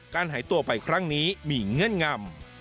หายตัวไปครั้งนี้มีเงื่อนงำ